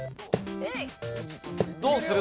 どうする？